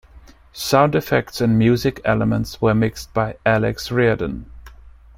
Sound effects and music elements were mixed by Alex Riordan.